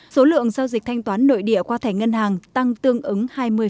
số lượng giao dịch thanh toán nội địa qua thẻ ngân hàng tăng tương ứng hai mươi